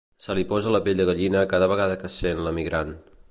Se li posa la pell de gallina cada vegada que sent "L'emigrant".